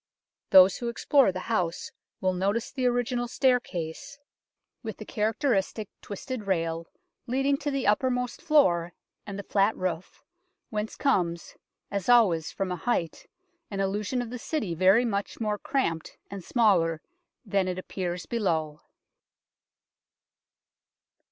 Those who explore the house will notice the original staircase, with A CITY MERCHANT'S MANSION 97 the characteristic twisted rail, leading to the uppermost floor and the flat roof, whence comes, as always from a height, an illusion of the City very much more cramped and smaller than it appears below.